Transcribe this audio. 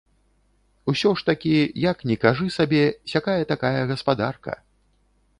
Усё ж такі, як ні кажы сабе, сякая-такая гаспадарка.